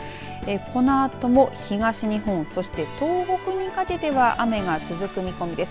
このあとも東日本そして東北にかけては雨が続く見込みです。